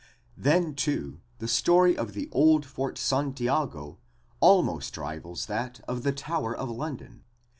Then, too, the story of the old Fort Santiago almost rivals that of the Tower of London.